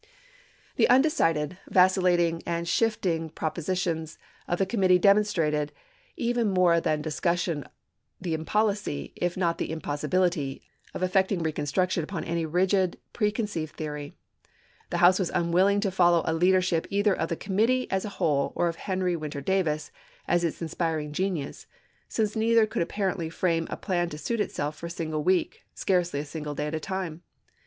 The undecided, vacillating, and shifting proposi tions of the committee demonstrated even more than discussion the impolicy, if not the impossibil ity, of effecting reconstruction upon any rigid pre conceived theory. The House was unwilling to follow a leadership either of the committee as a whole, or of Henry Winter Davis as its inspiring genius, since neither could apparently frame a plan to suit itself for a single week — scarcely a single day at a time.